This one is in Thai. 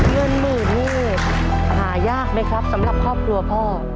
เงินหมื่นนี่หายากไหมครับสำหรับครอบครัวพ่อ